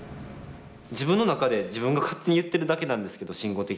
自分の中で自分が勝手に言ってるだけなんですけど慎吾的には。